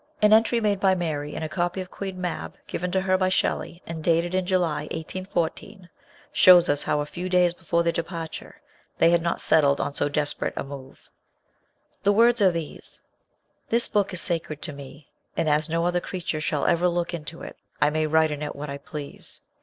An entry made by Mary in a copy of Queen Mab given to her by Shelley, arid dated in July 1814, shows us how a few days before their departure they had not settled on so desperate a move. The words are these : "This book is sacred to me, and as no other creature shall ever look into it, I may write in it what I please.